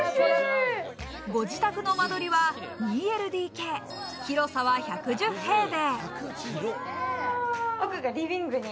ご自宅の間取りは２ＬＤＫ、広さは１２０平米。